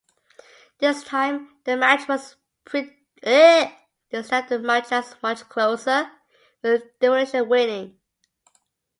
This time the match was much closer, with Demolition winning.